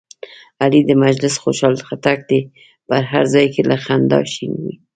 علي د مجلس خوشحال خټک دی، په هر ځای کې له خندا شین وي.